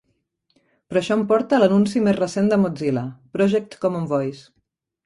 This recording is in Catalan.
Però això em porta a l'anunci més recent de Mozilla: Project Common Voice.